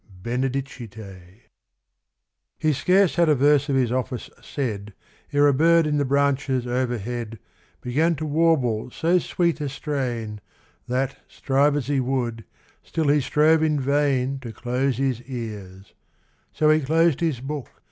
148 BROTHER BENEDICT VII He scarce had a verse of his ofifice said, Ere a bird in the branches overhead Began to warble so sweet a strain, That, strive as he would, still he strove in vain To close his ears ; so he closed his book.